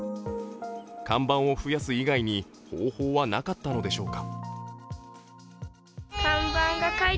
看板を増やす以外に方法はなかったのでしょうか。